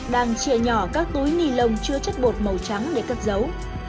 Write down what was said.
đang chia nhỏ các túi nì lông chứa chất bột màu trắng để cắt dấu